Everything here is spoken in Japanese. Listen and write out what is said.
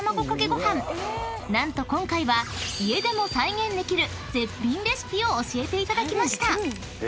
［何と今回は家でも再現できる絶品レシピを教えていただきました］